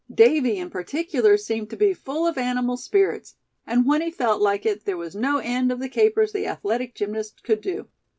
Davy in particular seemed to be full of animal spirits; and when he felt like it, there was no end of the capers the athletic gymnast could do.